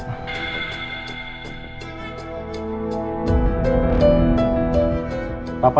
ya aku tanya